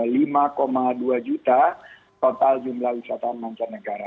nah lima dua juta total jumlah wisata mancanegara